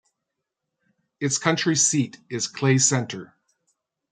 Its county seat is Clay Center.